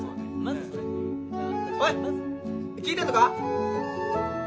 おい聞いてんのか？